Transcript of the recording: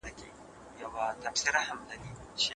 خپل زکات په وخت ورکړئ.